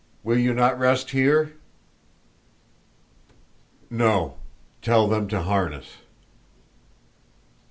"Will you not rest here?" "No, tell them to harness."